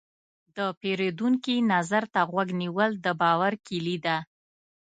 د پیرودونکي نظر ته غوږ نیول، د باور کلي ده.